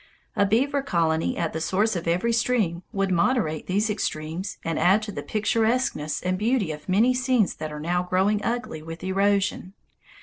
A beaver colony at the source of every stream would moderate these extremes and add to the picturesqueness and beauty of many scenes that are now growing ugly with erosion.